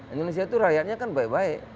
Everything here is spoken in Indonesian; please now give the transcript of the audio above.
indonesia itu rakyatnya kan baik baik